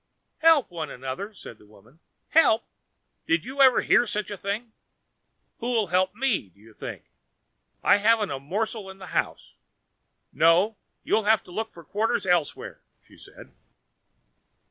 "Help one another?" said the woman, "help? Did you ever hear such a thing? Who'll help me, do you think? I haven't got a morsel in the house! No, you'll have to look for quarters elsewhere," she said.